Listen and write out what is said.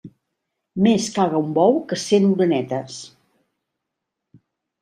Més caga un bou que cent oronetes.